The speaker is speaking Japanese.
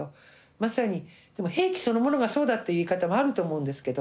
まさにでも兵器そのものがそうだという言い方もあると思うんですけど。